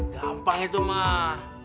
gampang itu mah